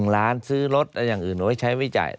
๑ล้านซื้อรถอย่างอื่นไว้ใช้ไว้จ่าย